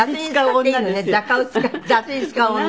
雑に使う女？